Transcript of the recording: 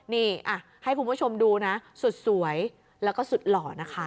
นี่ให้คุณผู้ชมดูนะสุดสวยแล้วก็สุดหล่อนะคะ